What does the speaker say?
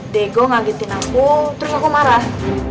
dego ngagetin aku terus aku marah